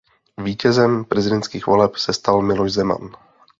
Vítězem prezidentských voleb se stal Miloš Zeman.